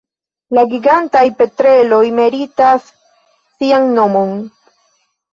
La Gigantaj petreloj meritas sian nomon.